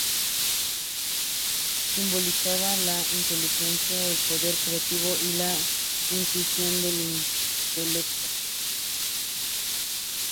Simbolizaba la inteligencia, el poder creativo y la intuición del intelecto.